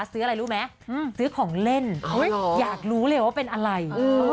ซื้ออะไรรู้ไหมซื้อของเล่นอยากรู้เลยว่าเป็นอะไร